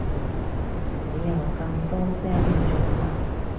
你又咁多聲氣做乜？